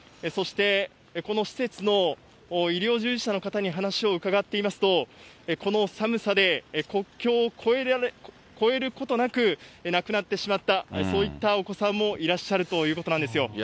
そしてこの施設の医療従事者の方に話を伺っていますと、この寒さで、国境を越えることなく亡くなってしまった、そういったお子さんもいらっしゃるということなんですよ。